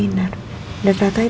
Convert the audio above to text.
di pergedean kehidupanku